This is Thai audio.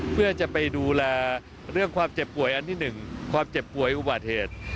เพื่อจะไปดูแลเรื่องความเจ็บป่วยอันที่๑ความเจ็บป่วยอุบัติเหตุ